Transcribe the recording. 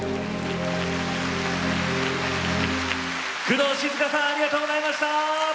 工藤静香さんありがとうございました！